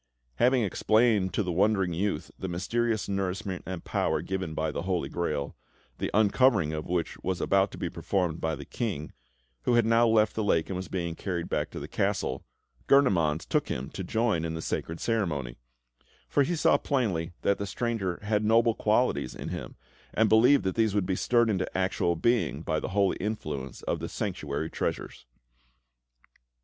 Having explained to the wondering youth the mysterious nourishment and power given by the Holy Grail, the uncovering of which was about to be performed by the King, who had now left the lake and was being carried back to the castle, Gurnemanz took him to join in the sacred ceremony; for he saw plainly that the stranger had noble qualities in him, and believed that these would be stirred into actual being by the holy influence of the Sanctuary treasures.